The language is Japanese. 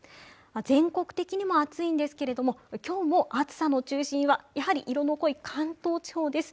全国的にも暑いんですけれども、今日も暑さの中心はやはり色の濃い関東地方です。